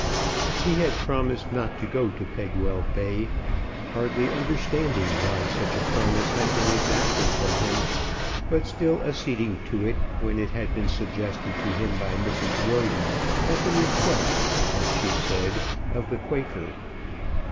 He had promised not to go to Pegwell Bay, hardly understanding why such a promise had been exacted from him, but still acceding to it when it had been suggested to him by Mrs. Roden, at the request, as she said, of the Quaker.